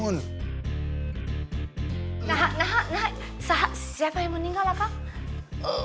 nah siapa yang meninggal kak